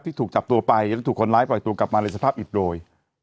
ถูกจับตัวไปและถูกคนร้ายปล่อยตัวกลับมาในสภาพอิดโดย